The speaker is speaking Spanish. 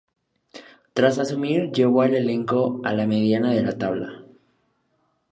Tras asumir llevó al elenco a la medianía de la tabla.